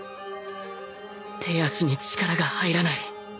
手足に力が入らない